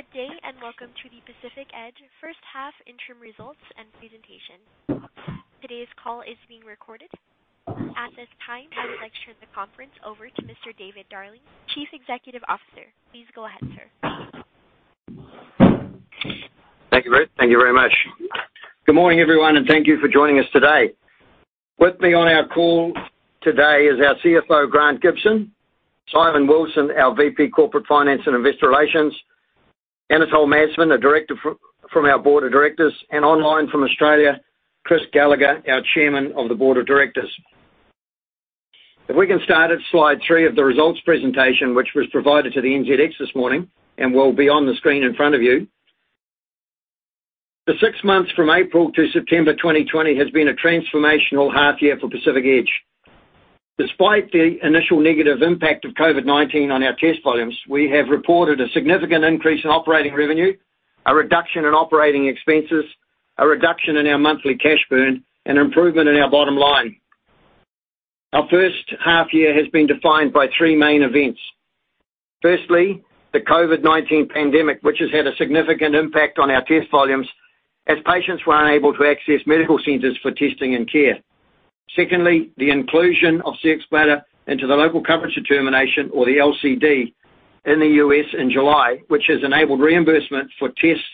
Good day, welcome to the Pacific Edge first-half interim results and presentation. Today's call is being recorded. At this time, I would like to turn the conference over to Mr. David Darling, Chief Executive Officer. Please go ahead, sir. Thank you very much. Good morning, everyone, and thank you for joining us today. With me on our call today is our CFO, Grant Gibson, Simon Wilson, our VP Corporate Finance and Investor Relations, Anatole Masfen, a Director from our Board of Directors, and online from Australia, Chris Gallaher, our Chairman of the Board of Directors. If we can start at slide three of the results presentation, which was provided to the NZX this morning, and will be on the screen in front of you. The six months from April to September 2020 has been a transformational half-year for Pacific Edge. Despite the initial negative impact of COVID-19 on our test volumes, we have reported a significant increase in operating revenue, a reduction in operating expenses, a reduction in our monthly cash burn, and an improvement in our bottom line. Our first half year has been defined by three main events. Firstly, the COVID-19 pandemic, which has had a significant impact on our test volumes as patients were unable to access medical centers for testing and care. Secondly, the inclusion of Cxbladder into the Local Coverage Determination, or the LCD, in the U.S. in July, which has enabled reimbursement for tests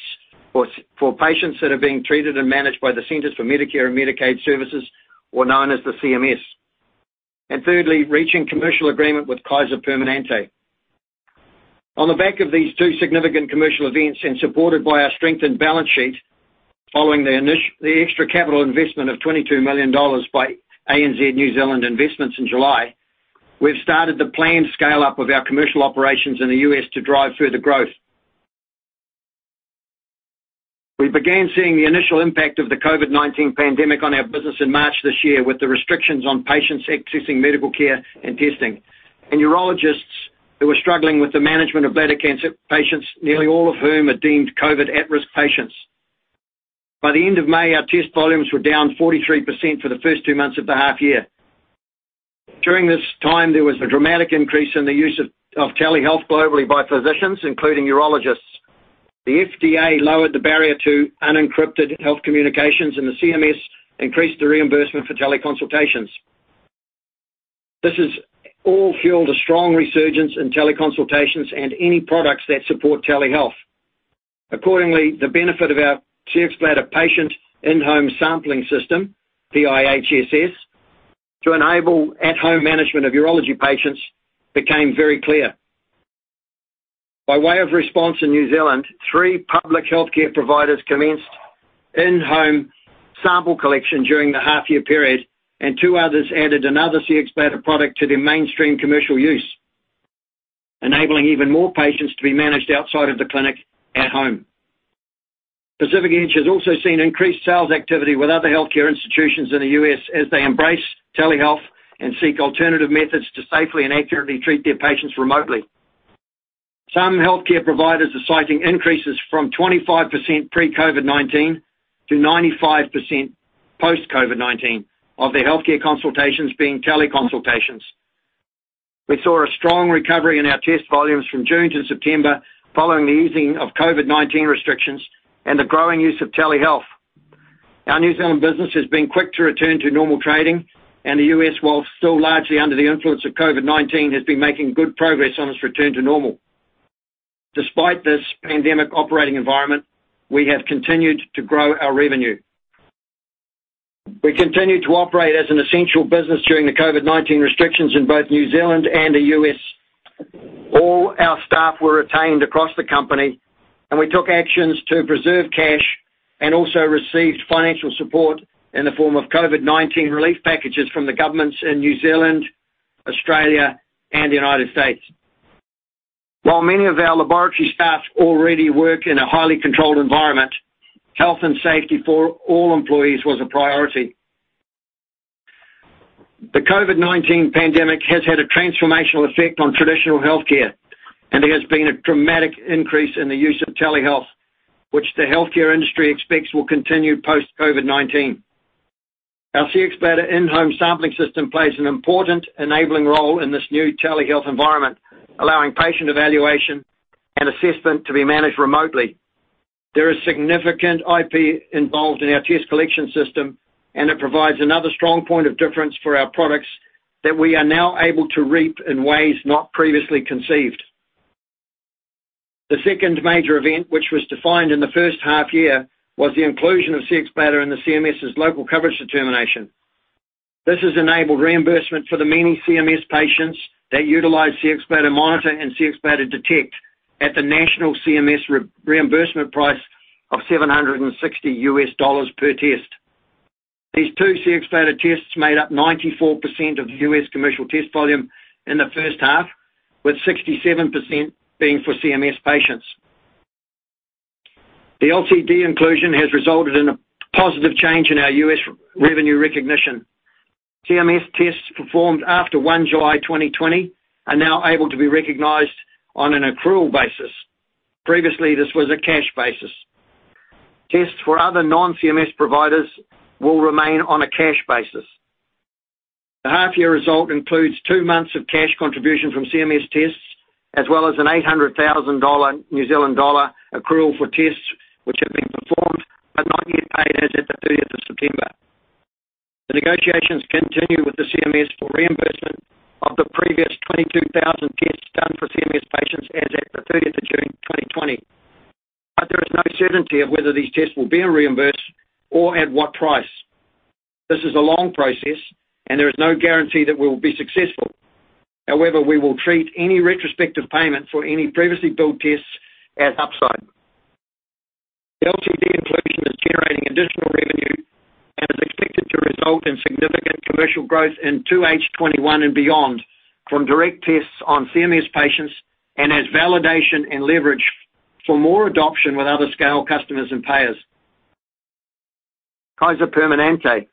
for patients that are being treated and managed by the Centers for Medicare & Medicaid Services, or known as the CMS. Thirdly, reaching commercial agreement with Kaiser Permanente. On the back of these two significant commercial events and supported by our strengthened balance sheet following the extra capital investment of 22 million dollars by ANZ New Zealand Investments in July, we've started the planned scale-up of our commercial operations in the U.S. to drive further growth. We began seeing the initial impact of the COVID-19 pandemic on our business in March this year with the restrictions on patients accessing medical care and testing, and urologists who were struggling with the management of bladder cancer patients, nearly all of whom are deemed COVID at-risk patients. By the end of May, our test volumes were down 43% for the first two months of the half year. During this time, there was a dramatic increase in the use of telehealth globally by physicians, including urologists. The FDA lowered the barrier to unencrypted health communications, and the CMS increased the reimbursement for teleconsultations. This has all fueled a strong resurgence in teleconsultations and any products that support telehealth. Accordingly, the benefit of our Cxbladder Patient In-Home Sampling System, PIHSS, to enable at-home management of urology patients became very clear. By way of response in New Zealand, three public healthcare providers commenced in-home sample collection during the half-year period, and two others added another Cxbladder product to their mainstream commercial use, enabling even more patients to be managed outside of the clinic at home. Pacific Edge has also seen increased sales activity with other healthcare institutions in the U.S. as they embrace telehealth and seek alternative methods to safely and accurately treat their patients remotely. Some healthcare providers are citing increases from 25% pre-COVID-19 to 95% post-COVID-19 of their healthcare consultations being teleconsultations. We saw a strong recovery in our test volumes from June to September following the easing of COVID-19 restrictions and the growing use of telehealth. Our New Zealand business has been quick to return to normal trading, and the U.S., while still largely under the influence of COVID-19, has been making good progress on its return to normal. Despite this pandemic operating environment, we have continued to grow our revenue. We continued to operate as an essential business during the COVID-19 restrictions in both New Zealand and the U.S. All our staff were retained across the company, and we took actions to preserve cash and also received financial support in the form of COVID-19 relief packages from the governments in New Zealand, Australia, and the United States. While many of our laboratory staff already work in a highly controlled environment, health and safety for all employees was a priority. The COVID-19 pandemic has had a transformational effect on traditional healthcare, and there has been a dramatic increase in the use of telehealth, which the healthcare industry expects will continue post-COVID-19. Our Cxbladder In-Home Sampling System plays an important enabling role in this new telehealth environment, allowing patient evaluation and assessment to be managed remotely. There is significant IP involved in our test collection system, and it provides another strong point of difference for our products that we are now able to reap in ways not previously conceived. The second major event, which was defined in the first half year, was the inclusion of Cxbladder in the CMS's Local Coverage Determination. This has enabled reimbursement for the many CMS patients that utilize Cxbladder Monitor and Cxbladder Detect at the national CMS reimbursement price of $760 per test. These two Cxbladder tests made up 94% of the U.S. commercial test volume in the first half, with 67% being for CMS patients. The LCD inclusion has resulted in a positive change in our U.S. revenue recognition. CMS tests performed after July 1, 2020 are now able to be recognized on an accrual basis. Previously, this was a cash basis. Tests for other non-CMS providers will remain on a cash basis. The half-year result includes two months of cash contribution from CMS tests, as well as an 800,000 New Zealand dollar accrual for tests which have been performed but not yet paid as at the 30th of September. The negotiations continue with the CMS for reimbursement of the previous 22,000 tests done for CMS patients as at the 30th of June 2020. There is no certainty of whether these tests will be reimbursed or at what price. This is a long process, and there is no guarantee that we'll be successful. However, we will treat any retrospective payment for any previously billed tests as upside. The LCD inclusion is generating additional revenue and is expected to result in significant commercial growth in 2H21 and beyond from direct tests on CMS patients and as validation and leverage for more adoption with other scale customers and payers. Kaiser Permanente.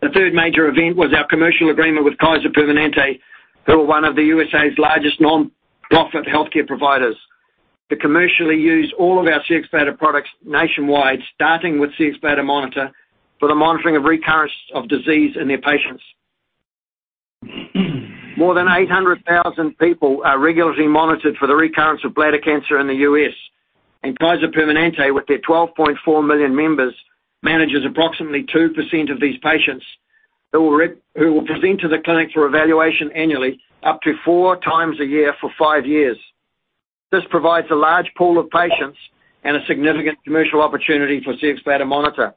The third major event was our commercial agreement with Kaiser Permanente, who are one of the U.S.A.'s largest nonprofit healthcare providers. To commercially use all of our Cxbladder products nationwide, starting with Cxbladder Monitor, for the monitoring of recurrence of disease in their patients. More than 800,000 people are regularly monitored for the recurrence of bladder cancer in the U.S. Kaiser Permanente, with their 12.4 million members, manages approximately 2% of these patients who will present to the clinic for evaluation annually, up to four times a year for five years. This provides a large pool of patients and a significant commercial opportunity for Cxbladder Monitor.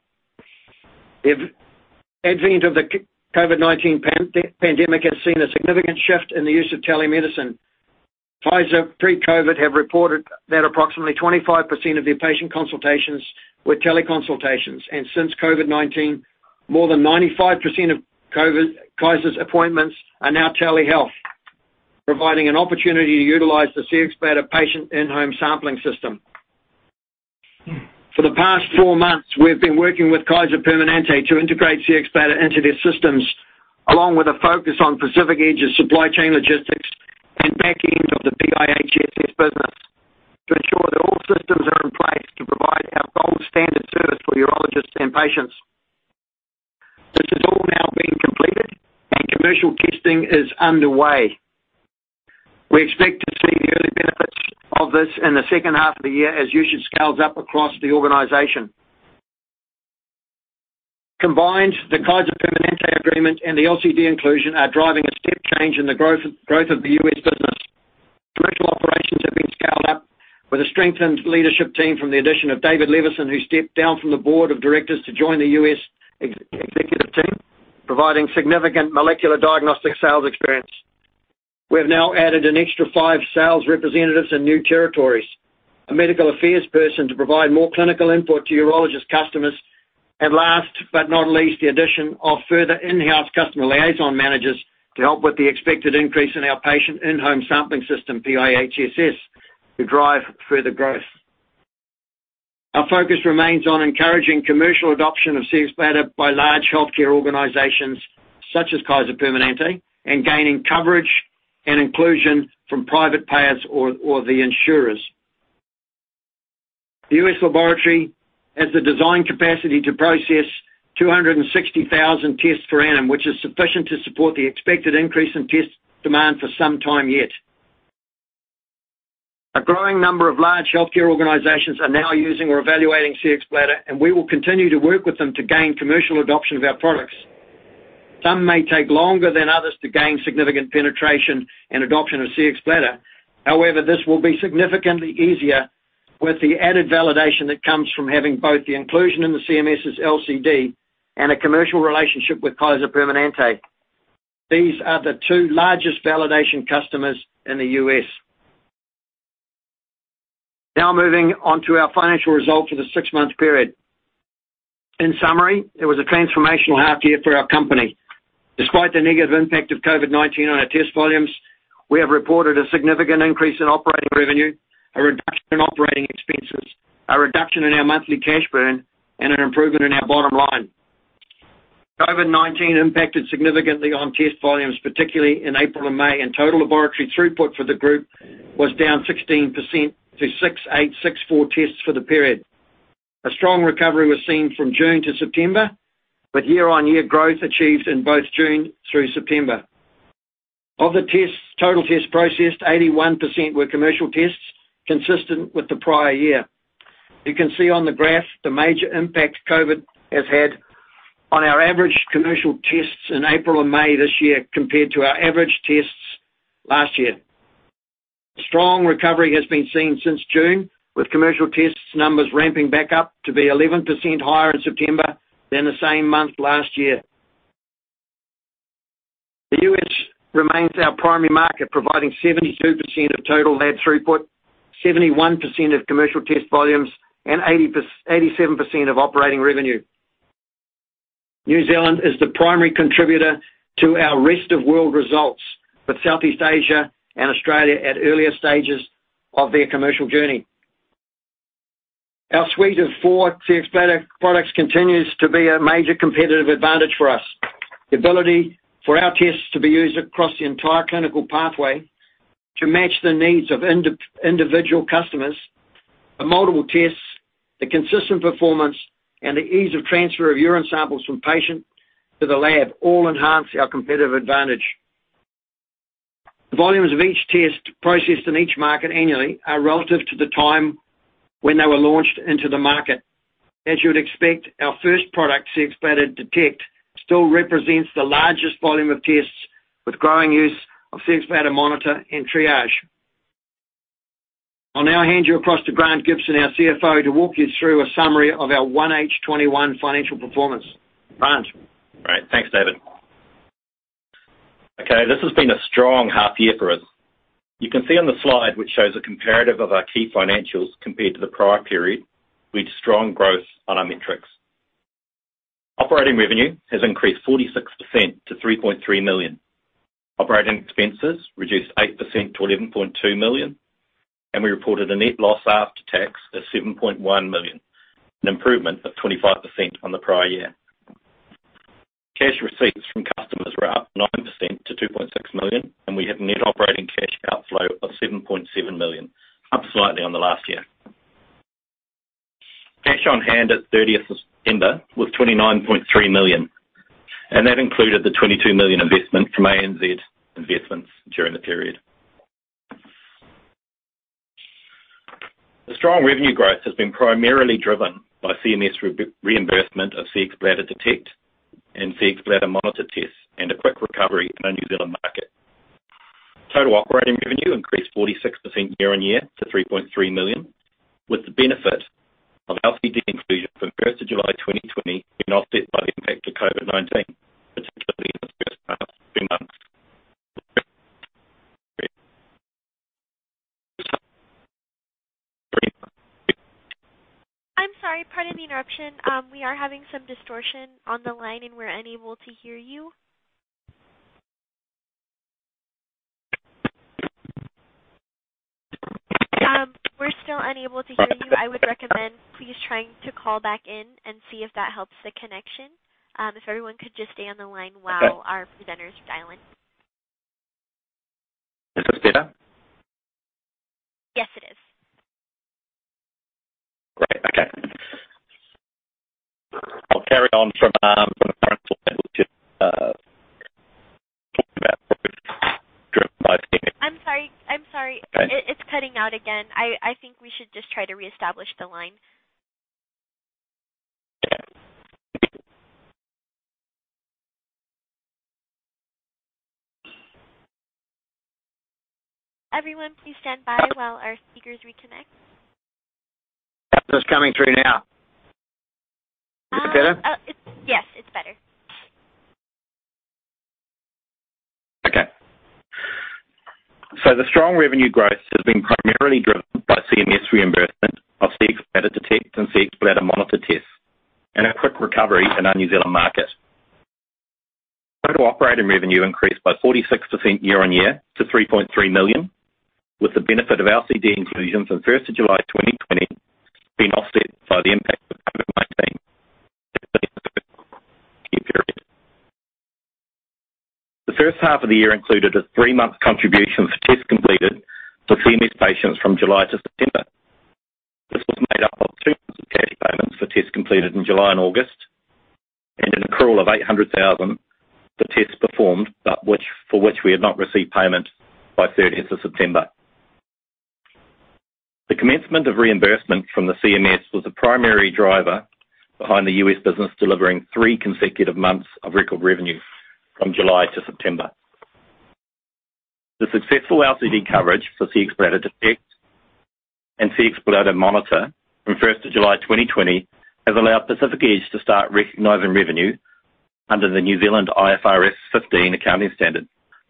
The advent of the COVID-19 pandemic has seen a significant shift in the use of telemedicine. Kaiser, pre-COVID, have reported that approximately 25% of their patient consultations were teleconsultations. Since COVID-19, more than 95% of Kaiser's appointments are now telehealth, providing an opportunity to utilize the Cxbladder Patient In-Home Sampling System. For the past four months, we've been working with Kaiser Permanente to integrate Cxbladder into their systems, along with a focus on Pacific Edge's supply chain logistics and back end of the PIHSS business to ensure that all systems are in place to provide our gold standard service for urologists and patients. This is all now being completed, and commercial testing is underway. We expect to see the early benefits of this in the second half of the year as usage scales up across the organization. Combined, the Kaiser Permanente agreement and the LCD inclusion are driving a step change in the growth of the U.S. business. Commercial operations have been scaled up with a strengthened leadership team from the addition of David Levison, who stepped down from the board of directors to join the U.S. executive team, providing significant molecular diagnostic sales experience. We have now added an extra five sales representatives in new territories, a medical affairs person to provide more clinical input to urologist customers, and last but not least, the addition of further in-house customer liaison managers to help with the expected increase in our patient in-home sampling system, PIHSS, to drive further growth. Our focus remains on encouraging commercial adoption of Cxbladder by large healthcare organizations such as Kaiser Permanente and gaining coverage and inclusion from private payers or the insurers. The U.S. laboratory has the design capacity to process 260,000 tests per annum, which is sufficient to support the expected increase in test demand for some time yet. We will continue to work with them to gain commercial adoption of our products. Some may take longer than others to gain significant penetration and adoption of Cxbladder. This will be significantly easier with the added validation that comes from having both the inclusion in the CMS's LCD and a commercial relationship with Kaiser Permanente. These are the two largest validation customers in the U.S. Moving on to our financial results for the six-month period. In summary, it was a transformational half year for our company. Despite the negative impact of COVID-19 on our test volumes, we have reported a significant increase in operating revenue, a reduction in operating expenses, a reduction in our monthly cash burn, and an improvement in our bottom line. COVID-19 impacted significantly on test volumes, particularly in April and May, and total laboratory throughput for the group was down 16% to 6,864 tests for the period. A strong recovery was seen from June to September, with year-on-year growth achieved in both June through September. Of the tests, total tests processed, 81% were commercial tests, consistent with the prior year. You can see on the graph the major impact COVID has had on our average commercial tests in April and May this year compared to our average tests last year. A strong recovery has been seen since June, with commercial tests numbers ramping back up to be 11% higher in September than the same month last year. The U.S. remains our primary market, providing 72% of total lab throughput, 71% of commercial test volumes, and 87% of operating revenue. New Zealand is the primary contributor to our rest of world results, with Southeast Asia and Australia at earlier stages of their commercial journey. Our suite of four Cxbladder products continues to be a major competitive advantage for us. The ability for our tests to be used across the entire clinical pathway to match the needs of individual customers. The multiple tests, the consistent performance, and the ease of transfer of urine samples from patient to the lab all enhance our competitive advantage. The volumes of each test processed in each market annually are relative to the time when they were launched into the market. As you would expect, our first product, Cxbladder Detect, still represents the largest volume of tests with growing use of Cxbladder Monitor and Cxbladder Triage. I'll now hand you across to Grant Gibson, our CFO, to walk you through a summary of our 1H 2021 financial performance. Grant? Great. Thanks, David. This has been a strong half year for us. You can see on the slide, which shows a comparative of our key financials compared to the prior period, with strong growth on our metrics. Operating revenue has increased 46% to 3.3 million. Operating expenses reduced 8% to 11.2 million, and we reported a net loss after tax of 7.1 million, an improvement of 25% on the prior year. Cash receipts from customers were up 9% to 2.6 million, and we have net operating cash outflow of 7.7 million, up slightly on the last year. Cash on hand at 30th September was 29.3 million, and that included the 22 million investment from ANZ Investments during the period. The strong revenue growth has been primarily driven by CMS reimbursement of Cxbladder Detect and Cxbladder Monitor tests and a quick recovery in our New Zealand market. Total operating revenue increased 46% year-on-year to 3.3 million, with the benefit of LCD inclusion from 1st of July 2020 being offset by the impact of COVID-19, particularly in the first half, three months. I'm sorry. Pardon the interruption. We are having some distortion on the line, and we're unable to hear you. We're still unable to hear you. I would recommend please trying to call back in and see if that helps the connection. If everyone could just stay on the line while-. Okay. Our presenters dial in. Is this better? Yes, it is. Great. Okay. I'll carry on from the current point, which is talking about progress during my statement. I'm sorry. I'm sorry. Okay. It's cutting out again. I think we should just try to reestablish the line. Okay. Everyone, please stand by while our speakers reconnect. Sound's coming through now. Is this better? Yes, it's better. Okay. The strong revenue growth has been primarily driven by CMS reimbursement of Cxbladder Detect and Cxbladder Monitor tests and a quick recovery in our New Zealand market. Total operating revenue increased by 46% year-on-year to 3.3 million, with the benefit of LCD inclusion from July 1, 2020 being offset by the impact of COVID-19. The first half of the year included a three-month contribution for tests completed for CMS patients from July to September. This was made up of two months of cash payments for tests completed in July and August, and an accrual of 800,000 for tests performed, but for which we had not received payment by September 30. The commencement of reimbursement from the CMS was the primary driver behind the U.S. business delivering three consecutive months of record revenue from July to September. The successful LCD coverage for Cxbladder Detect and Cxbladder Monitor from 1st of July 2020 has allowed Pacific Edge to start recognizing revenue under the New Zealand IFRS 15 accounting standard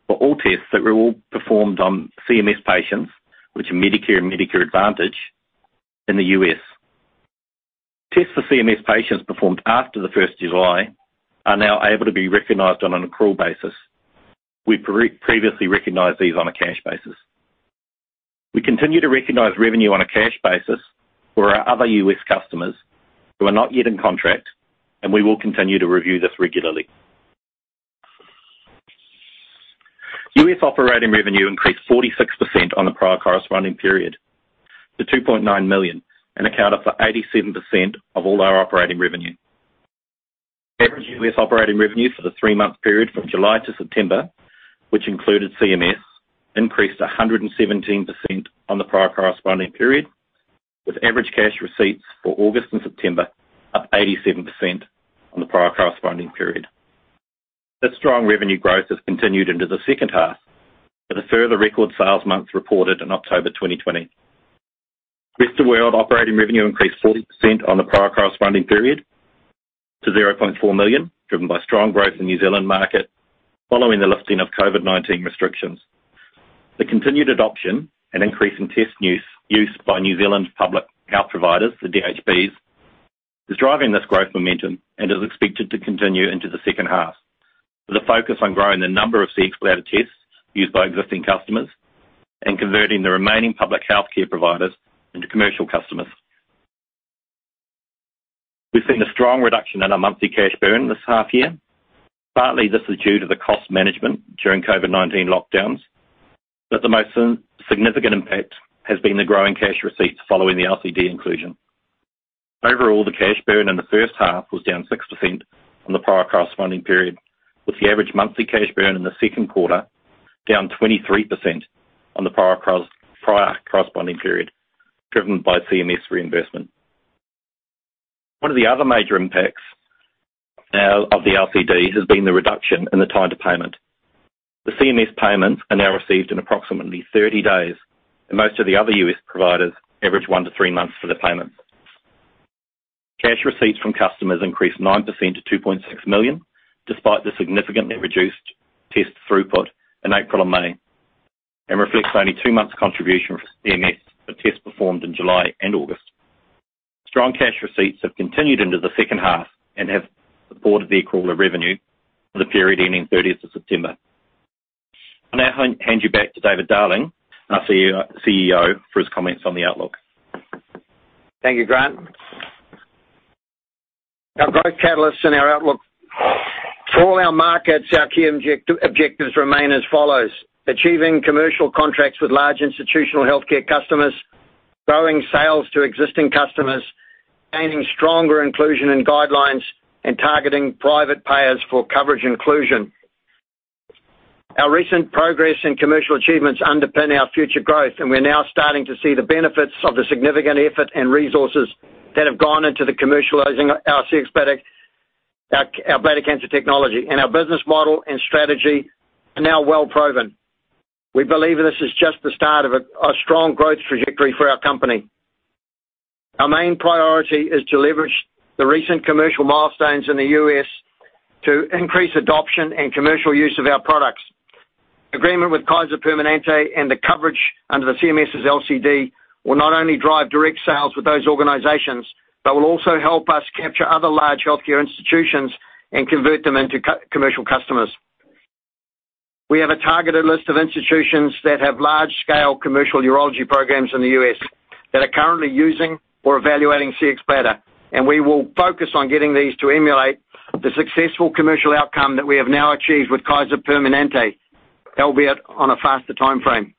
for all tests that were performed on CMS patients, which are Medicare and Medicare Advantage in the U.S. Tests for CMS patients performed after the 1st of July are now able to be recognized on an accrual basis. We previously recognized these on a cash basis. We continue to recognize revenue on a cash basis for our other U.S. customers who are not yet in contract, and we will continue to review this regularly. U.S. operating revenue increased 46% on the prior corresponding period to 2.9 million and accounted for 87% of all our operating revenue. Average U.S. operating revenue for the three-month period from July to September, which included CMS, increased 117% on the prior corresponding period, with average cash receipts for August and September up 87% on the prior corresponding period. The strong revenue growth has continued into the second half, with a further record sales month reported in October 2020. Rest of world operating revenue increased 40% on the prior corresponding period to 0.4 million, driven by strong growth in New Zealand market following the lifting of COVID-19 restrictions. The continued adoption and increase in test use by New Zealand public health providers, the DHBs, is driving this growth momentum and is expected to continue into the second half, with a focus on growing the number of Cxbladder tests used by existing customers and converting the remaining public healthcare providers into commercial customers. We've seen a strong reduction in our monthly cash burn this half-year. This is partly due to the cost management during COVID-19 lockdowns, but the most significant impact has been the growing cash receipts following the LCD inclusion. Overall, the cash burn in the first half was down 6% from the prior corresponding period, with the average monthly cash burn in the second quarter down 23% on the prior corresponding period, driven by CMS reimbursement. One of the other major impacts now of the LCD has been the reduction in the time to payment. The CMS payments are now received in approximately 30 days, and most of the other U.S. providers average one to three months for their payments. Cash receipts from customers increased 9% to 2.6 million, despite the significantly reduced test throughput in April and May, and reflects only two months contribution from CMS for tests performed in July and August. Strong cash receipts have continued into the second half and have supported the accrual of revenue for the period ending 30th of September. I'll now hand you back to David Darling, our CEO, for his comments on the outlook. Thank you, Grant. Our growth catalysts and our outlook. For all our markets, our key objectives remain as follows: achieving commercial contracts with large institutional healthcare customers, growing sales to existing customers, gaining stronger inclusion in guidelines, and targeting private payers for coverage inclusion. Our recent progress and commercial achievements underpin our future growth, and we're now starting to see the benefits of the significant effort and resources that have gone into the commercializing our Cxbladder cancer technology, and our business model and strategy are now well-proven. We believe this is just the start of a strong growth trajectory for our company. Our main priority is to leverage the recent commercial milestones in the U.S. to increase adoption and commercial use of our products. Agreement with Kaiser Permanente and the coverage under the CMS's LCD will not only drive direct sales with those organizations, but will also help us capture other large healthcare institutions and convert them into commercial customers. We have a targeted list of institutions that have large-scale commercial urology programs in the U.S. that are currently using or evaluating Cxbladder, and we will focus on getting these to emulate the successful commercial outcome that we have now achieved with Kaiser Permanente, albeit on a faster timeframe.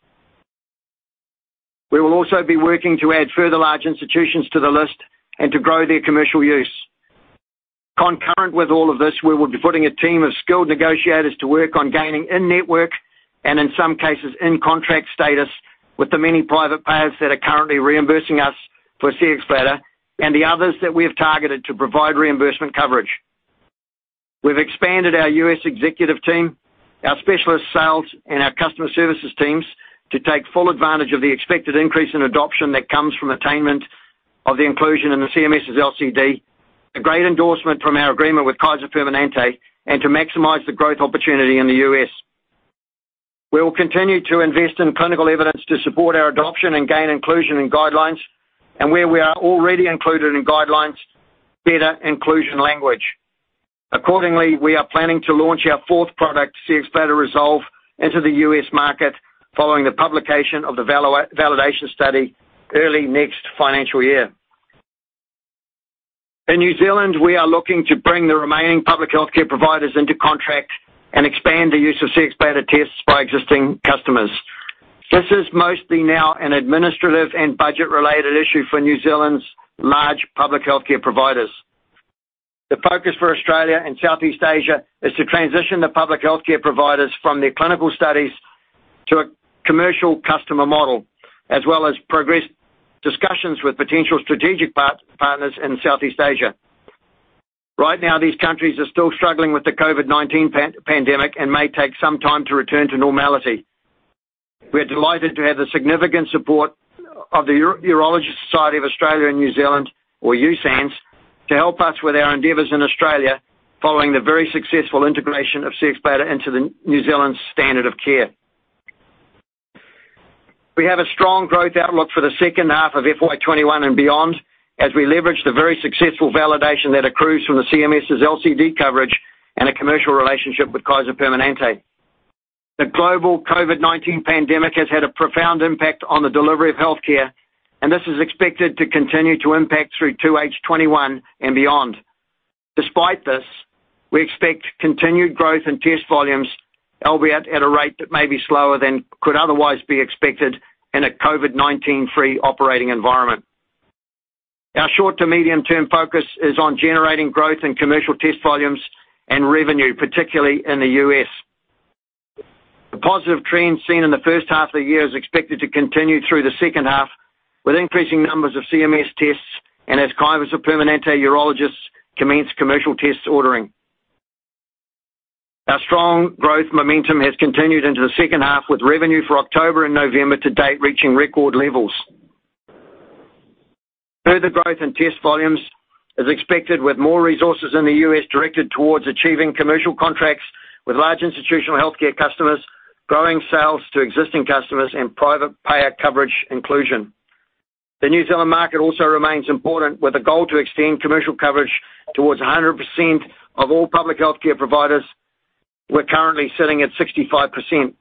We will also be working to add further large institutions to the list and to grow their commercial use. Concurrent with all of this, we will be putting a team of skilled negotiators to work on gaining in-network, and in some cases, in-contract status with the many private payers that are currently reimbursing us for Cxbladder, and the others that we have targeted to provide reimbursement coverage. We've expanded our U.S. executive team, our specialist sales, and our customer services teams to take full advantage of the expected increase in adoption that comes from attainment of the inclusion in the CMS's LCD, a great endorsement from our agreement with Kaiser Permanente, and to maximize the growth opportunity in the U.S. We will continue to invest in clinical evidence to support our adoption and gain inclusion in guidelines, and where we are already included in guidelines, better inclusion language. Accordingly, we are planning to launch our fourth product, Cxbladder Resolve, into the U.S. market following the publication of the validation study early next financial year. In New Zealand, we are looking to bring the remaining public healthcare providers into contract and expand the use of Cxbladder tests by existing customers. This is mostly now an administrative and budget-related issue for New Zealand's large public healthcare providers. The focus for Australia and Southeast Asia is to transition the public healthcare providers from their clinical studies to a commercial customer model, as well as progress discussions with potential strategic partners in Southeast Asia. Right now, these countries are still struggling with the COVID-19 pandemic and may take some time to return to normality. We're delighted to have the significant support of the Urological Society of Australia and New Zealand, or USANZ, to help us with our endeavors in Australia following the very successful integration of Cxbladder into the New Zealand standard of care. We have a strong growth outlook for the second half of FY 2021 and beyond as we leverage the very successful validation that accrues from the CMS's LCD coverage and a commercial relationship with Kaiser Permanente. The global COVID-19 pandemic has had a profound impact on the delivery of healthcare. This is expected to continue to impact through to 2H 2021 and beyond. Despite this, we expect continued growth in test volumes, albeit at a rate that may be slower than could otherwise be expected in a COVID-19-free operating environment. Our short to medium-term focus is on generating growth in commercial test volumes and revenue, particularly in the U.S. The positive trend seen in the first half of the year is expected to continue through the second half, with increasing numbers of CMS tests and as Kaiser Permanente urologists commence commercial test ordering. Our strong growth momentum has continued into the second half, with revenue for October and November to date reaching record levels. Further growth in test volumes is expected with more resources in the U.S. directed towards achieving commercial contracts with large institutional healthcare customers, growing sales to existing customers, and private payer coverage inclusion. The New Zealand market also remains important, with a goal to extend commercial coverage towards 100% of all public healthcare providers who are currently sitting at 65%,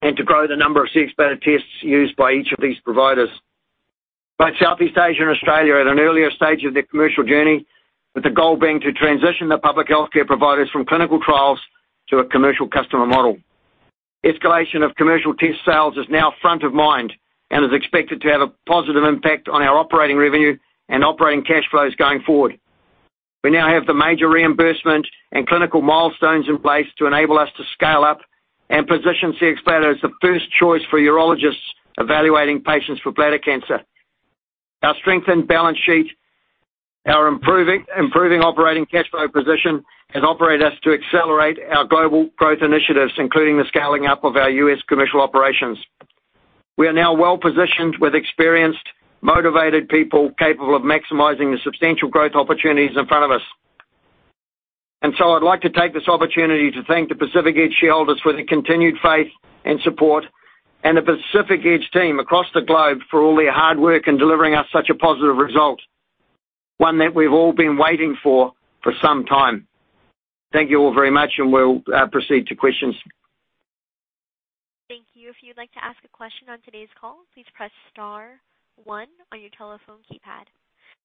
and to grow the number of Cxbladder tests used by each of these providers. Both Southeast Asia and Australia are at an earlier stage of their commercial journey, with the goal being to transition the public healthcare providers from clinical trials to a commercial customer model. Escalation of commercial test sales is now front of mind and is expected to have a positive impact on our operating revenue and operating cash flows going forward. We now have the major reimbursement and clinical milestones in place to enable us to scale up and position Cxbladder as the first choice for urologists evaluating patients for bladder cancer. Our strengthened balance sheet, our improving operating cash flow position, has operated us to accelerate our global growth initiatives, including the scaling up of our U.S. commercial operations. We are now well positioned with experienced, motivated people capable of maximizing the substantial growth opportunities in front of us. I'd like to take this opportunity to thank the Pacific Edge shareholders for their continued faith and support and the Pacific Edge team across the globe for all their hard work in delivering us such a positive result, one that we've all been waiting for some time. Thank you all very much, and we'll proceed to questions. Thank you. If you'd like to ask a question on today's call, please press star one on your telephone keypad.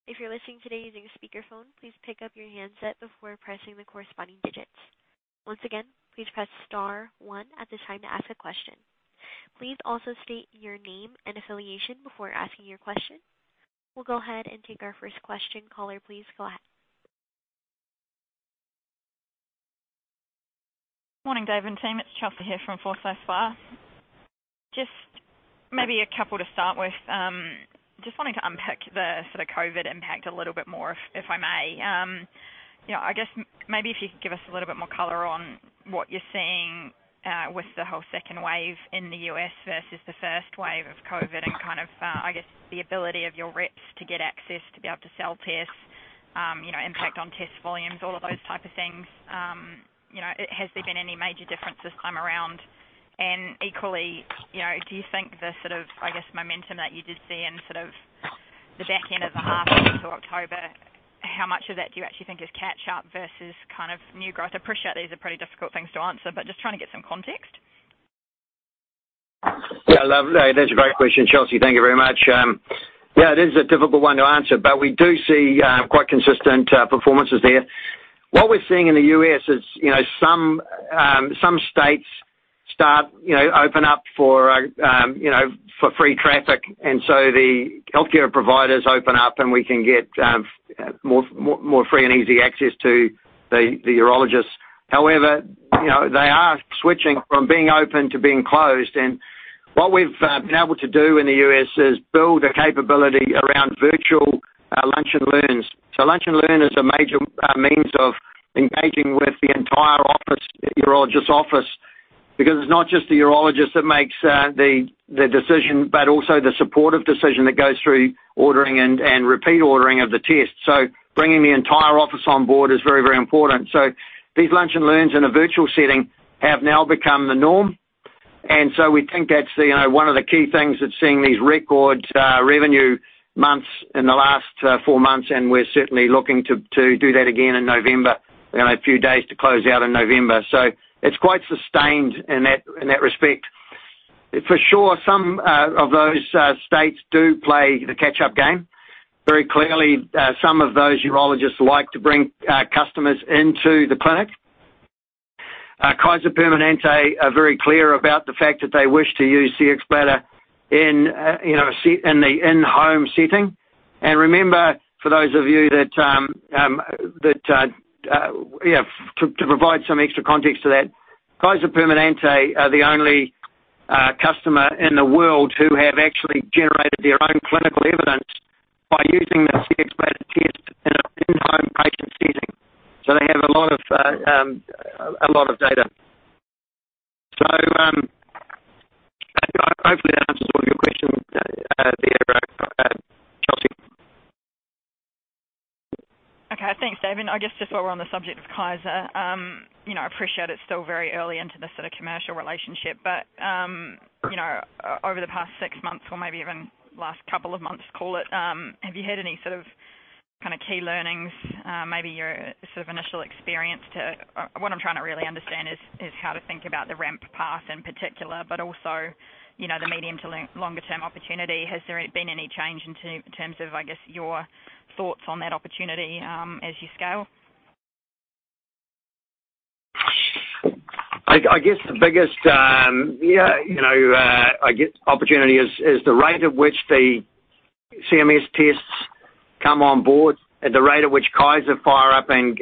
If you're listening today using a speakerphone, please pick up your handset before pressing the corresponding digits. Once again, please press star one at the time to ask a question. Please also state your name and affiliation before asking your question. We'll go ahead and take our first question. Caller, please go ahead. Morning, Dave and team. It's Chelsea here from Forsyth Barr. Maybe a couple to start with. Wanting to unpack the sort of COVID impact a little bit more, if I may. I guess maybe if you could give us a little bit more color on what you're seeing, with the whole second wave in the U.S. versus the first wave of COVID and kind of, I guess the ability of your reps to get access to be able to sell tests, impact on test volumes, all of those type of things. Has there been any major difference this time around? Equally, do you think the sort of, I guess, momentum that you did see in sort of the back end of the half into October, how much of that do you actually think is catch up versus kind of new growth? I appreciate these are pretty difficult things to answer, but just trying to get some context. Yeah, lovely. That's a great question, Chelsea. Thank you very much. Yeah, it is a difficult one to answer, but we do see quite consistent performances there. What we're seeing in the U.S. is some states open up for free traffic, the healthcare providers open up, and we can get more free and easy access to the urologists. However, they are switching from being open to being closed. What we've been able to do in the U.S. is build a capability around virtual Lunch and Learns. Lunch and Learn is a major means of engaging with the entire urologist office, because it's not just the urologist that makes the decision, but also the supportive decision that goes through ordering and repeat ordering of the test. Bringing the entire office on board is very, very important. These Lunch and Learns in a virtual setting have now become the norm. We think that's one of the key things that's seeing these record revenue months in the last four months, and we're certainly looking to do that again in November, a few days to close out in November. It's quite sustained in that respect. For sure, some of those states do play the catch-up game. Very clearly, some of those urologists like to bring customers into the clinic. Kaiser Permanente are very clear about the fact that they wish to use Cxbladder in the in-home setting. Remember, for those of you, to provide some extra context to that, Kaiser Permanente are the only customer in the world who have actually generated their own clinical evidence by using the Cxbladder test in an in-home patient setting. They have a lot of data. Hopefully that answers all of your questions there, Chelsea. Okay. Thanks, David. I guess just while we're on the subject of Kaiser, I appreciate it's still very early into this sort of commercial relationship, but over the past six months, or maybe even last couple of months, call it, have you had any sort of key learnings, maybe your sort of initial experience to, what I'm trying to really understand is how to think about the ramp path in particular, but also the medium to longer term opportunity? Has there been any change in terms of, I guess, your thoughts on that opportunity, as you scale? I guess the biggest opportunity is the rate at which the CMS tests come on board, the rate at which Kaiser fire up and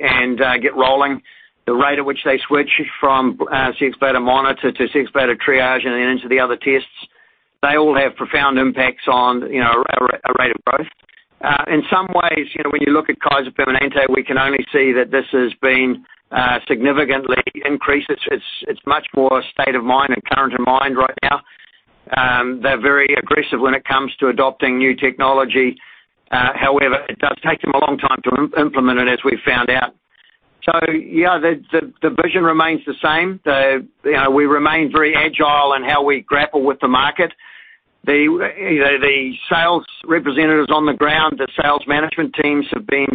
get rolling, the rate at which they switch from Cxbladder Monitor to Cxbladder Triage and then into the other tests. They all have profound impacts on our rate of growth. In some ways, when you look at Kaiser Permanente, we can only see that this has been significantly increased. It's much more state of mind and current in mind right now. They're very aggressive when it comes to adopting new technology. However, it does take them a long time to implement it, as we found out. Yeah, the vision remains the same. We remain very agile in how we grapple with the market. The sales representatives on the ground, the sales management teams have been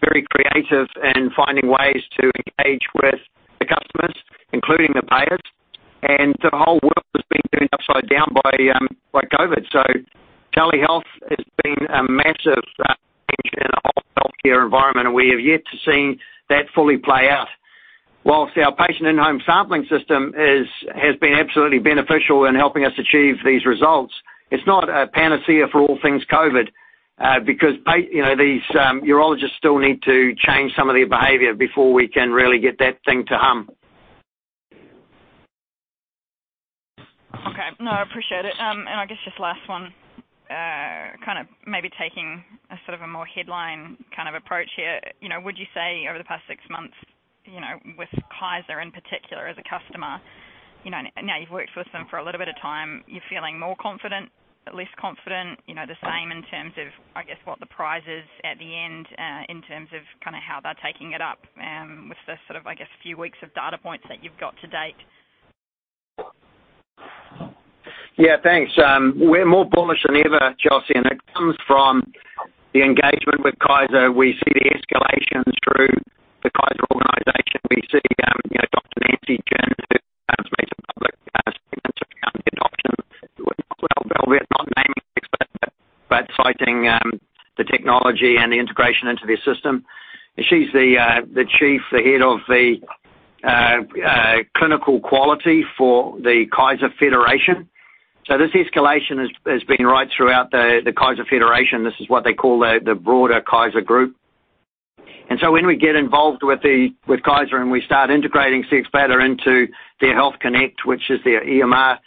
very creative in finding ways to engage with the customers, including the payers. The whole world has been turned upside down by COVID. Telehealth has been a massive change in the whole healthcare environment, and we have yet to see that fully play out. While our Patient in-home sampling system has been absolutely beneficial in helping us achieve these results, it's not a panacea for all things COVID, because these urologists still need to change some of their behavior before we can really get that thing to hum. Okay. No, I appreciate it. I guess just last one, maybe taking a sort of a more headline approach here. Would you say over the past 6 months, with Kaiser in particular as a customer, now you've worked with them for a little bit of time, you're feeling more confident, less confident, the same in terms of, I guess, what the prize is at the end, in terms of how they're taking it up with the, I guess, few weeks of data points that you've got to date? Thanks. We're more bullish than ever, Chelsea, it comes from the engagement with Kaiser. We see the escalations through the Kaiser organization. We see Dr. Wenwu Jin, who's made some public statements around the adoption with not naming Cxbladder, but citing the technology and the integration into their system. She's the chief, the head of the clinical quality for the Kaiser Permanente. This escalation has been right throughout the Kaiser Permanente. This is what they call the broader Kaiser Group. When we get involved with Kaiser, and we start integrating Cxbladder into their HealthConnect, which is their EMR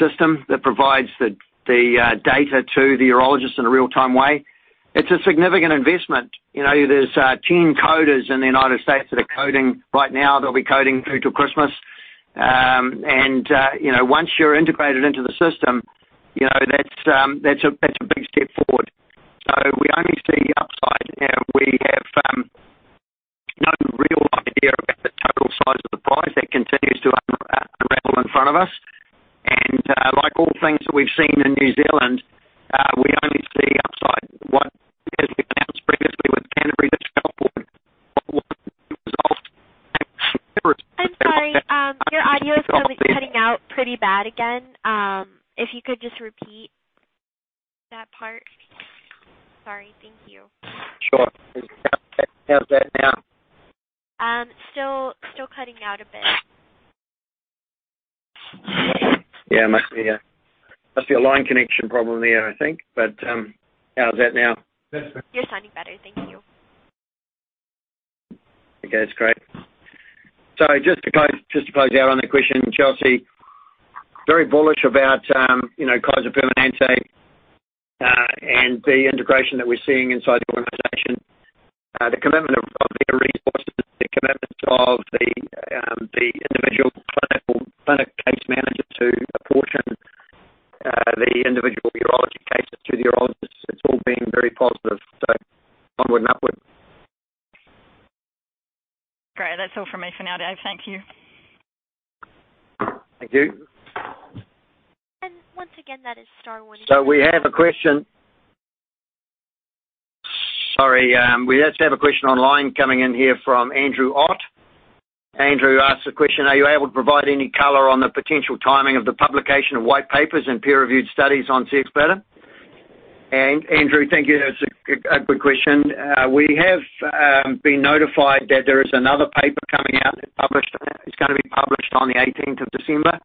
system that provides the data to the urologist in a real-time way, it's a significant investment. There's 10 coders in the United States that are coding right now. They'll be coding through till Christmas. Once you're integrated into the system, that's a big step forward. We only see upside. We have no real idea about the total size of the prize. That continues to unravel in front of us. Like all things that we've seen in New Zealand, we only see upside. As we announced previously with Canterbury District Health Board I'm sorry. Your audio is cutting out pretty bad again. If you could just repeat that part. Sorry. Thank you. Sure. How's that now? Still cutting out a bit. Yeah, must be a line connection problem there, I think. How's that now? You're sounding better. Thank you. Okay, that's great. Just to close out on the question, Chelsea, very bullish about Kaiser Permanente, and the integration that we're seeing inside the organization. The commitment of their resources, the commitments of the individual clinic case manager to apportion the individual urology cases to the urologists. It's all been very positive. Onward and upward. Great. That's all from me for now, Dave. Thank you. Thank you. And once again, that is star one-. We have a question. Sorry, we actually have a question online coming in here from Andrew Ott. Andrew asks the question, "Are you able to provide any color on the potential timing of the publication of white papers and peer-reviewed studies on Cxbladder?" Andrew, thank you. That's a good question. We have been notified that there is another paper coming out. It's going to be published on the 18th of December.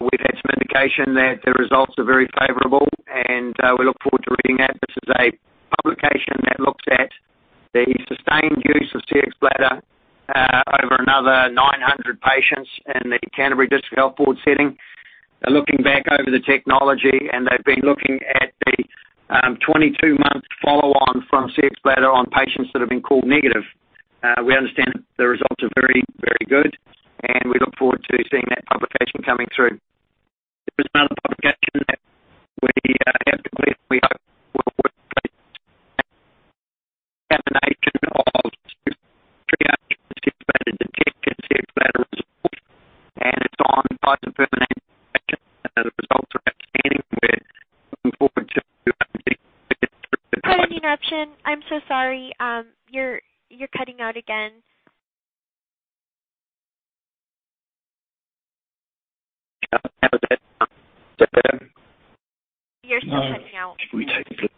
We've had some indication that the results are very favorable, and we look forward to reading that. This is a publication that looks at the sustained use of Cxbladder over another 900 patients in the Canterbury District Health Board setting. They're looking back over the technology, and they've been looking at the 22-month follow-on from Cxbladder on patients that have been called negative. We understand that the results are very, very good, and we look forward to seeing that publication coming through. There is another publication that we hope will. Sorry for the interruption. I'm so sorry. You're cutting out again. How's that? You're still cutting out. Maybe take the Bluetooth off. We'll try that. We'll try. We'll try. I'm sorry. If you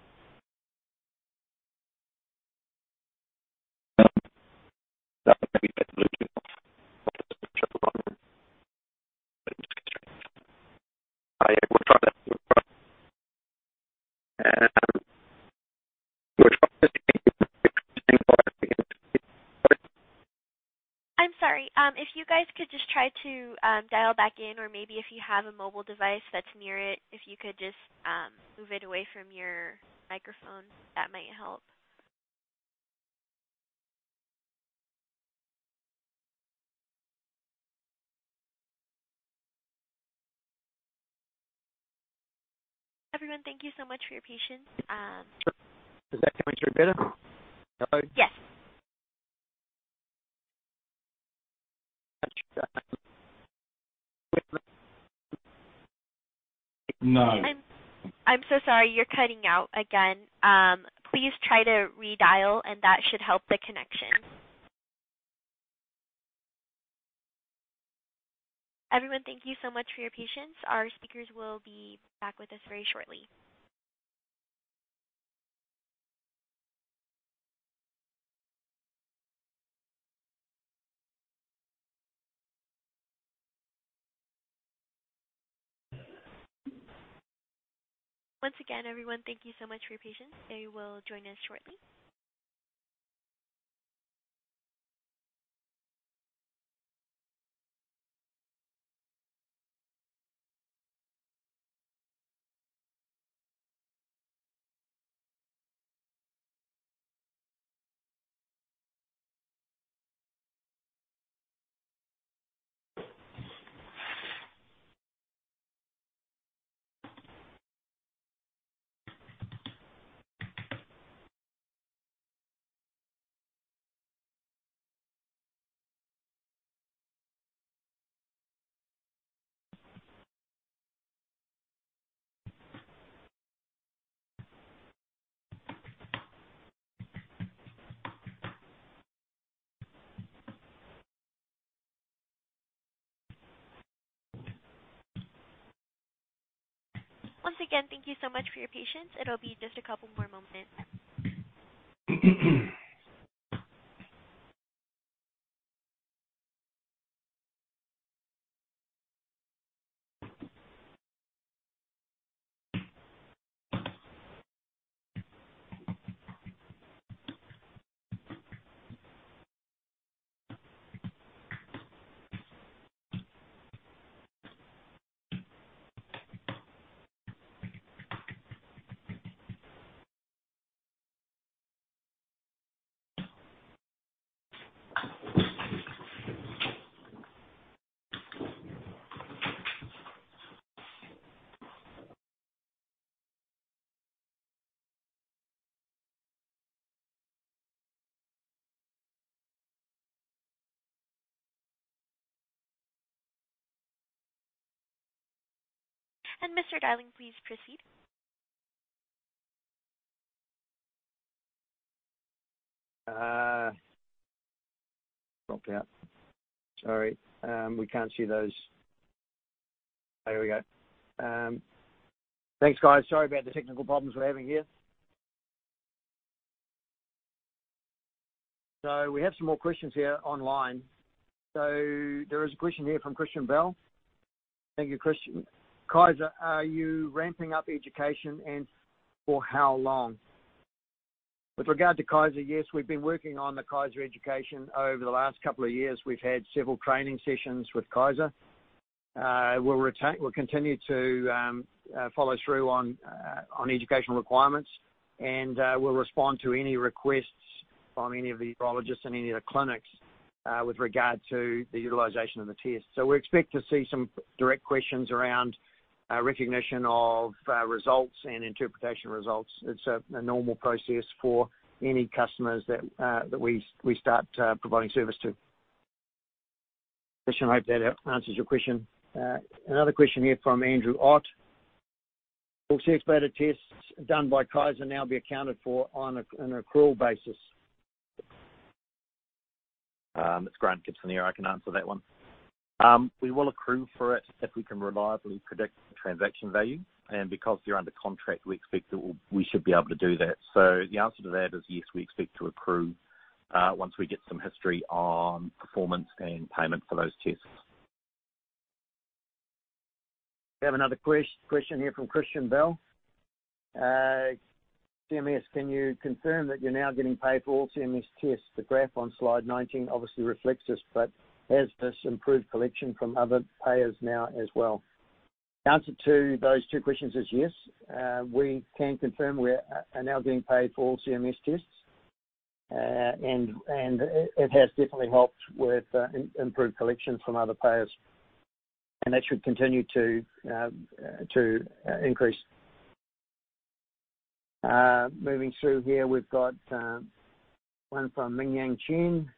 guys could just try to dial back in, or maybe if you have a mobile device that's near it, if you could just move it away from your microphone, that might help. Everyone, thank you so much for your patience. Is that coming through better? Yes. None. I'm so sorry. You're cutting out again. Please try to redial, and that should help the connection. Everyone, thank you so much for your patience. Our speakers will be back with us very shortly. Once again, everyone, thank you so much for your patience. They will join us shortly. Once again, thank you so much for your patience. It'll be just a couple more moments. Mr. Darling, please proceed. Dropped out. Sorry. We can't see those. There we go. Thanks, guys. Sorry about the technical problems we're having here. We have some more questions here online. There is a question here from Christian Bell. Thank you, Christian. "Kaiser, are you ramping up education, and for how long?" With regard to Kaiser, yes, we've been working on the Kaiser education over the last couple of years. We've had several training sessions with Kaiser. We'll continue to follow through on educational requirements, and we'll respond to any requests from any of the urologists in any of the clinics with regard to the utilization of the test. We expect to see some direct questions around recognition of results and interpretation results. It's a normal process for any customers that we start providing service to. Christian, I hope that answers your question. Another question here from Andrew Ott. Will Cxbladder tests done by Kaiser now be accounted for on an accrual basis? It's Grant Gibson here. I can answer that one. We will accrue for it if we can reliably predict the transaction value. Because they're under contract, we expect that we should be able to do that. The answer to that is yes, we expect to accrue, once we get some history on performance and payment for those tests. We have another question here from Christian Bell. "CMS, can you confirm that you're now getting paid for all CMS tests? The graph on slide 19 obviously reflects this, has this improved collection from other payers now as well?" The answer to those two questions is yes. We can confirm we are now being paid for all CMS tests. It has definitely helped with improved collection from other payers. That should continue to increase. Moving through here, we've got one from Ming Yang Chen.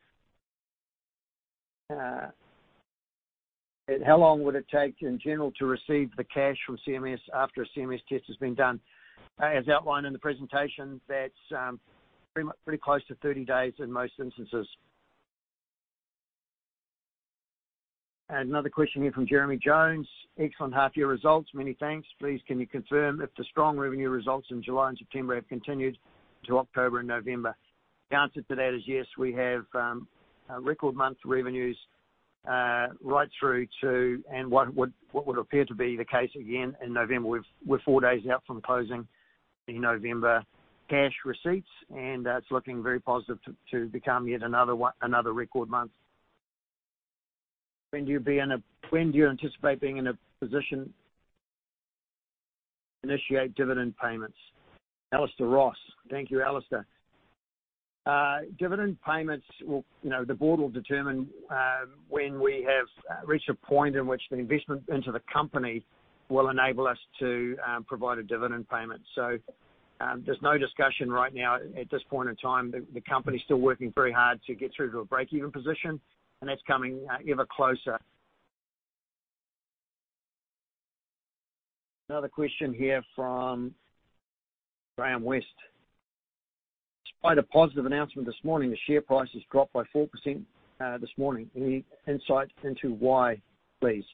"How long would it take, in general, to receive the cash from CMS after a CMS test has been done?" As outlined in the presentation, that's pretty close to 30 days in most instances. Another question here from Jeremy Jones. "Excellent half-year results. Many thanks. Please, can you confirm if the strong revenue results in July and September have continued to October and November? The answer to that is yes. We have record month revenues right through to, and what would appear to be the case again in November. We're four days out from closing the November cash receipts, and that's looking very positive to become yet another record month. When do you anticipate being in a position to initiate dividend payments? Alistair Ross. Thank you, Alistair. Dividend payments, the board will determine when we have reached a point in which the investment into the company will enable us to provide a dividend payment. There's no discussion right now, at this point in time. The company's still working very hard to get through to a breakeven position, and that's coming ever closer. Another question here from Graham West. Despite a positive announcement this morning, the share price has dropped by 4% this morning. Any insight into why, please?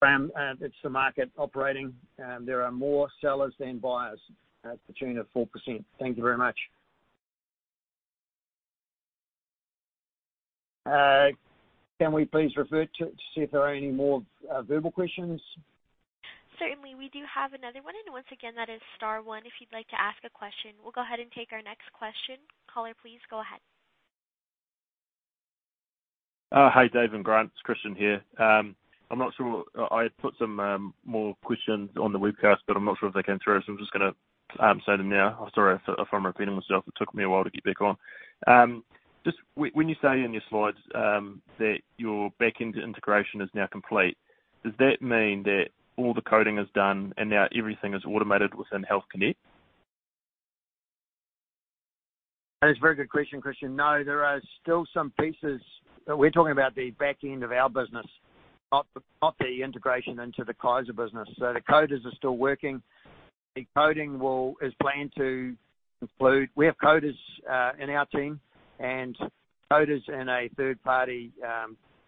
Graham, it's the market operating. There are more sellers than buyers to the tune of 4%. Thank you very much. Can we please see if there are any more verbal questions? Certainly. We do have another one, and once again, that is star one if you'd like to ask a question. We'll go ahead and take our next question. Caller, please go ahead. Hi, Dave and Grant. It's Christian here. I had put some more questions on the webcast, but I'm not sure if they came through, so I'm just going to say them now. Sorry if I'm repeating myself. It took me a while to get back on. Just when you say in your slides that your back-end integration is now complete, does that mean that all the coding is done and now everything is automated within KP HealthConnect? That is a very good question, Christian. No, there are still some pieces. We're talking about the back end of our business, not the integration into the Kaiser business. The coders are still working. The coding is planned to conclude. We have coders in our team, and coders in a third-party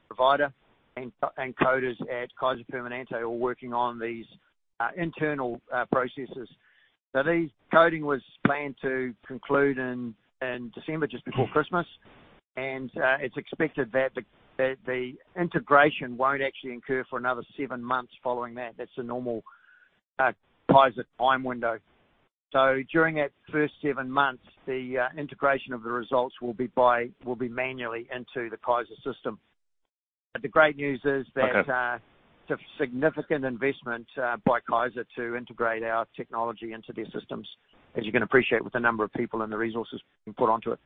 provider, and coders at Kaiser Permanente all working on these internal processes. The coding was planned to conclude in December, just before Christmas, and it's expected that the integration won't actually occur for another seven months following that. That's the normal Kaiser time window. During that first seven months, the integration of the results will be manually into the Kaiser system. Okay. It's a significant investment by Kaiser to integrate our technology into their systems, as you can appreciate with the number of people and the resources being put onto it.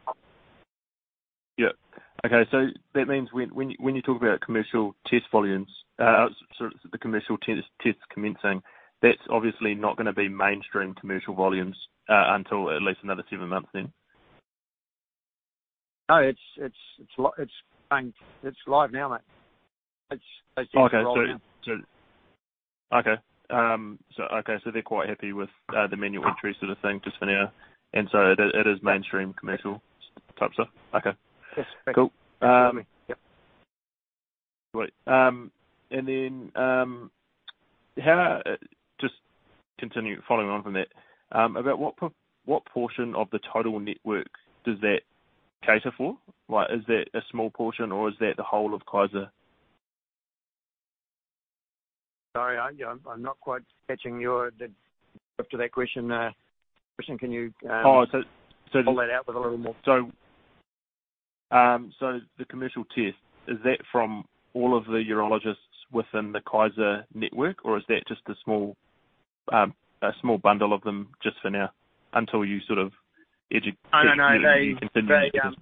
That means when you talk about commercial test commencing, that's obviously not going to be mainstream commercial volumes until at least another seven months then? No, it's live now, mate. Okay. Rolling out. Okay. They're quite happy with the manual entry sort of thing just for now. Is it mainstream commercial type stuff? Okay. Yes. Thank you. Cool. For me. Yep. Right. Just continuing following on from that, about what portion of the total network does that cater for? Is that a small portion, or is that the whole of Kaiser? Sorry, I'm not quite catching the drift of that question. Christian, Oh. Pull that out with a little more? The commercial test, is that from all of the urologists within the Kaiser network, or is that just a small bundle of them just for now until you sort of educate? Oh, no. Continue with the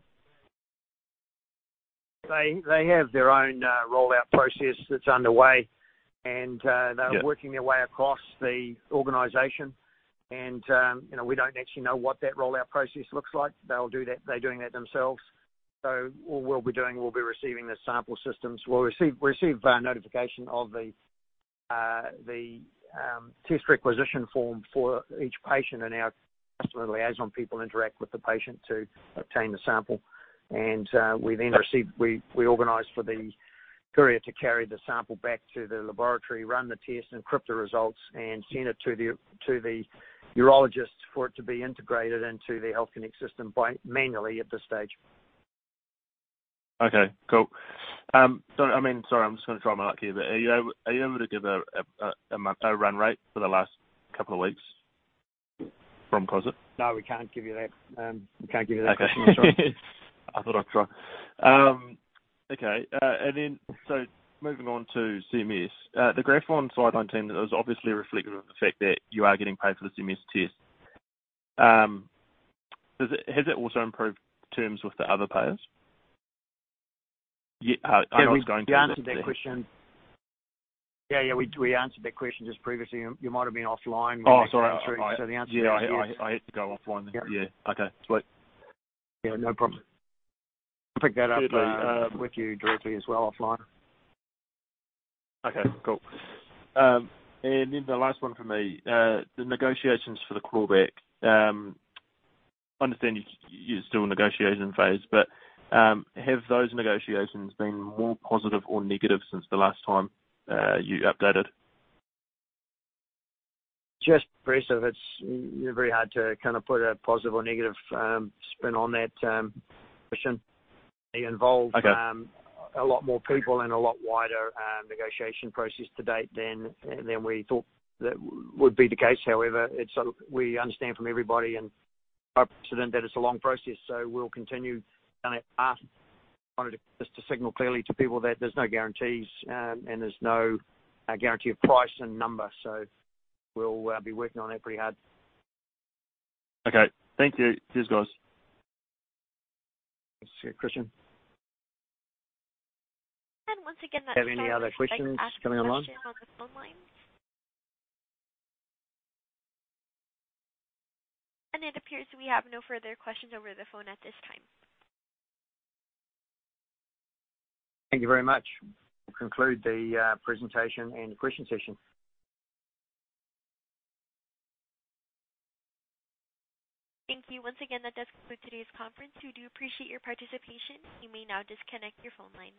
system. Have their own rollout process that's underway, and- Yeah. They're working their way across the organization. We don't actually know what that rollout process looks like. They're doing that themselves. All we'll be doing, we'll be receiving the sample systems. We'll receive notification of the test requisition form for each patient, and our customer liaison people interact with the patient to obtain the sample. We then organize for the courier to carry the sample back to the laboratory, run the test, encrypt the results, and send it to the urologist for it to be integrated into the HealthConnect system manually at this stage. Okay, cool. Sorry, I'm just going to try my luck here. Are you able to give a run rate for the last couple of weeks from Kaiser? No, we can't give you that. We can't give you that. Okay. I thought I'd try. Okay. Moving on to CMS. The graph on slide 19, that was obviously reflective of the fact that you are getting paid for the CMS test. Has it also improved terms with the other payers? I know it's going through but-. We answered that question. Yeah, we answered that question just previously. You might have been offline. Oh, sorry. The answer is yes. Yeah, I had to go offline. Yeah. Yeah. Okay, sweet. Yeah, no problem. I'll pick that up. Good. With you directly as well offline. Okay, cool. The last one from me, the negotiations for the clawback. I understand you're still in negotiation phase, have those negotiations been more positive or negative since the last time you updated? Just progressive. It's very hard to kind of put a positive or negative spin on that question. Okay. A lot more people and a lot wider negotiation process to date than we thought that would be the case. However, we understand from everybody and our precedent that it's a long process, so we'll continue. I wanted just to signal clearly to people that there's no guarantees, and there's no guarantee of price and number. We'll be working on that pretty hard. Okay. Thank you. Cheers, guys. Thanks, Christian. And once again that-. Have any other questions coming along? On the phone lines. It appears we have no further questions over the phone at this time. Thank you very much. We'll conclude the presentation and the question session. Thank you. Once again, that does conclude today's conference. We do appreciate your participation. You may now disconnect your phone lines.